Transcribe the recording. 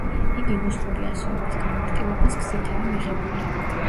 იგი ნუსხური ასოების გამარტივების გზითაა მიღებული.